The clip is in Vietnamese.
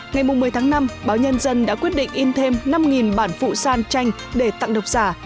ngày một mươi tháng năm báo nhân dân đã quyết định in thêm năm bản phụ san tranh để tặng độc giả